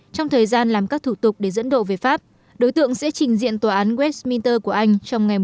trong thời gian làm các thủ tục để dẫn đổ về pháp đối tượng sẽ trình diện tòa án westminster của anh trong ngày một mươi bảy tháng một